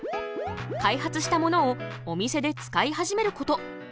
開発したものをお店で使い始めること。